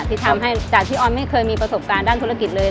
ที่ทำให้จากที่ออนไม่เคยมีประสบการณ์ด้านธุรกิจเลย